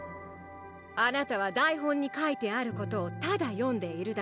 あなたは台本に書いてあることをただ読んでいるだけ。